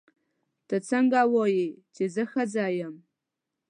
ته څنګه وایې چې زه ښځه یم.